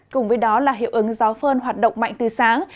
cùng với đó là hiệu ứng gió phơn hoạt động mạnh từ sáng